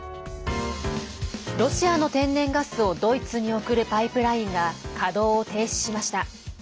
ロシアの天然ガスをドイツに送るパイプラインが稼働を停止しました。